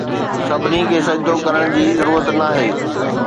سڀني کي سجدو ڪرڻ جي ضرورت ناهي